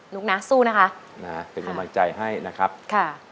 นุกน้าสู้นะคะ